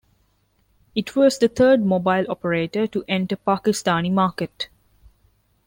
It was the third mobile operator to enter Pakistani market.